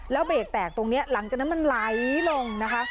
แล้วเบรกแตกตรงนี้หลังจากนั้นมันไหลลงนะคะ